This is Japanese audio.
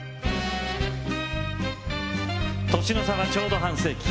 年の差は、ちょうど半世紀。